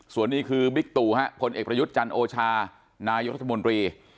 ส่วนนี้คือบิกตุผลเอกระยุดจันทร์โอชานายรัฐมนตรี